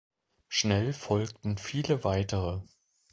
Schnell folgten viele Weitere.